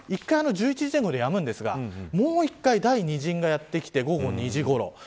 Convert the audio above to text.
１回１１時前後でやむんですがもう１回第２陣がやってきて午後２時ごろ。